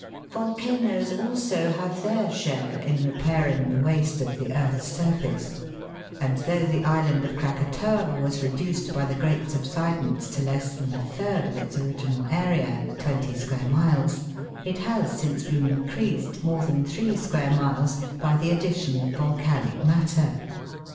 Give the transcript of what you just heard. Volcanoes also have their share in repairing the waste of the earth's surface, and though the island of Krakatoa was reduced by the great subsidence to less than a third of its original area (twenty square miles) it has since been increased more than three square miles by the addition of volcanic matter.